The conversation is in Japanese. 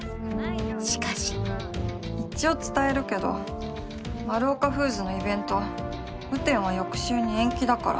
しかし一応伝えるけどマルオカフーズのイベント雨天は翌週に延期だから。